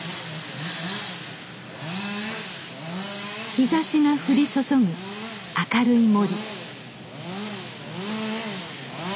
日ざしが降り注ぐ明るい森。